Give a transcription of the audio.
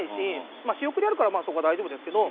まあ仕送りあるからそこは大丈夫ですけど。